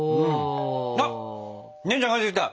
あっ姉ちゃん帰ってきた。